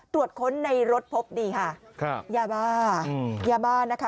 ตรวจค้นในรถพบดีค่ะครับยาบ้ายาบ้านะคะ